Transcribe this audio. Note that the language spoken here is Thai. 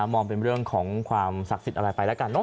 มองเป็นเรื่องของความศักดิ์สิทธิ์อะไรไปแล้วกันเนอ